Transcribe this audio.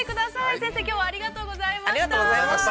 先生、きょうはありがとうございました。